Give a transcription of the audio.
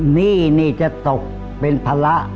หนี้นี่จะตกเป็นภาระ